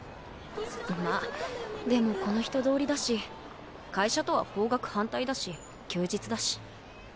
まあでもこの人通りだし会社とは方角反対だし休日だし